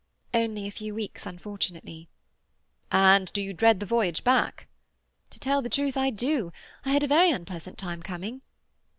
"Only a few weeks, unfortunately." "And do you dread the voyage back?" "To tell the truth, I do. I had a very unpleasant time coming."